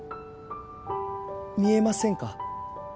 見えませんか？